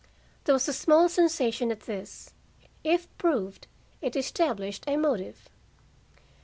There was a small sensation at this. If proved, it established a motive.